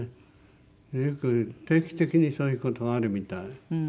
よく定期的にそういう事があるみたい。